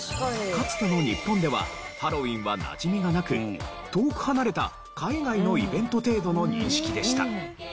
かつての日本ではハロウィンはなじみがなく遠く離れた海外のイベント程度の認識でした。